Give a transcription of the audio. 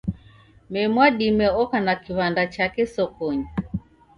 Mee Mwadime oka na kiw'anda chake sokonyi